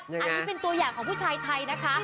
อันนี้เป็นตัวอย่างของผู้ชายไทยนะคะ